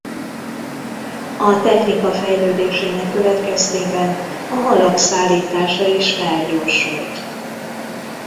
A technika fejlődésének következtében a halak szállítása is felgyorsult.